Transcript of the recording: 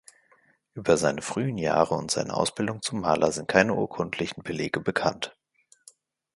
Über seine frühen Jahre und seine Ausbildung zum Maler sind keine urkundlichen Belege bekannt.